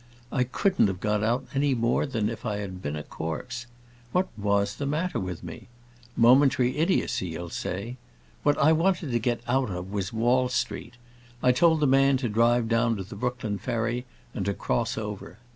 I couldn't have got out, any more than if I had been a corpse. What was the matter with me? Momentary idiocy, you'll say. What I wanted to get out of was Wall Street. I told the man to drive down to the Brooklyn ferry and to cross over.